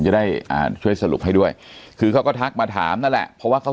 จะได้อ่าช่วยสรุปให้ด้วยคือเขาก็ทักมาถามนั่นแหละเพราะว่าเขา